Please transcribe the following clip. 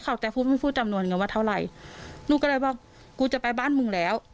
เขาจะพูดไม่พูดจำนวนเงินว่าเท่าไหร่หนูก็เลยบอกกูจะไปบ้านมึงแล้ว